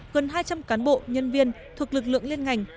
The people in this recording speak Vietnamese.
gần hai trăm linh cán bộ nhân viên thuộc lực lượng liên ngành